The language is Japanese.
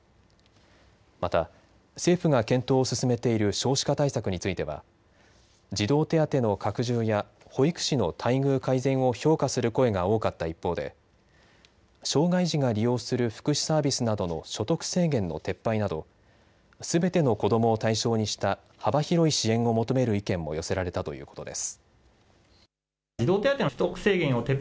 また政府が検討を進めている少子化対策については児童手当の拡充や保育士の待遇改善を評価する声が多かった一方で障害児が利用する福祉サービスなどの所得制限の撤廃などすべての子どもを対象にした幅広い支援を求める意見も寄せられたということです。